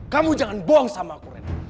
kamu jangan bohong sama aku reno